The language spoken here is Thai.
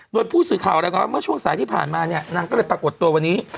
โดยผู้สื่อข่าวรายงานว่าเมื่อช่วงสายที่ผ่านมาเนี่ยนางก็เลยปรากฏตัววันนี้